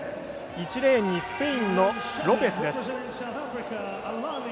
１レーンにスペインのロペスです。